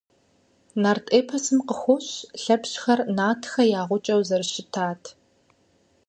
Нарт эпосым къыхощ Лъэпщыр нартхэ я гъукӀэу зэрыщытат.